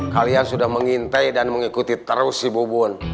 kalian sudah mengintai dan mengikuti terus si bubun